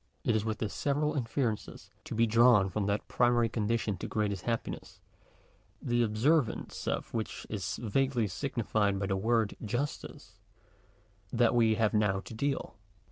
It is with the several inferences to be drawn from that primary condition to greatest happiness, the observ ance of which is vaguely signified by the word justice, that we have now to deal.